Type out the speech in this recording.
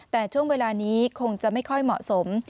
แต่ช่วงเวลานี้คงจะไม่ค่อยเหมาะสม